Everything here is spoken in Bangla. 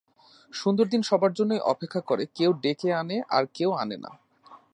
সুন্দর দিন সবার জন্যই অপেক্ষা করে কেউ ডেকে আনে আর কেউ আনে না।